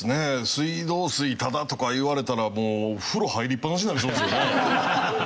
水道水タダとか言われたらもう風呂入りっぱなしになりそうですけどね。